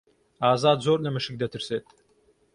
ئازاد زۆر لە مشک دەترسێت.